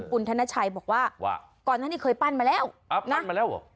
คุณทานัชัยบอกว่าก่อนนั้นเคยปั้นมาแล้วนะปั้นมาแล้วเหรอ